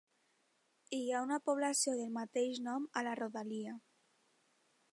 Hi ha una població del mateix nom a la rodalia.